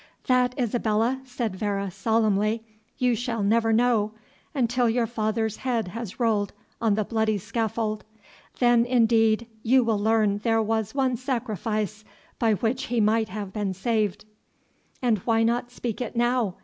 "That, Isabella," said Vere, solemnly, "you shall never know, until your father's head has rolled on the bloody scaffold; then, indeed, you will learn there was one sacrifice by which he might have been saved." "And why not speak it now?"